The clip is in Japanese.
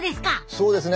そうですね。